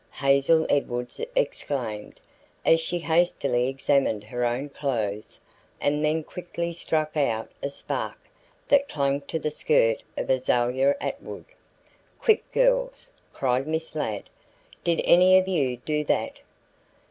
Hazel Edwards exclaimed, as she hastily examined her own clothes and then quickly struck out a spark that clung to the skirt of Azalia Atwood. "Quick, girls," cried Miss Ladd; "did any of you do that?"